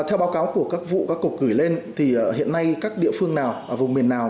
theo báo cáo của các vụ các cục gửi lên hiện nay các địa phương nào vùng miền nào